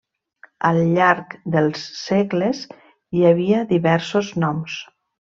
Al llarg dels segles hi havia diversos noms.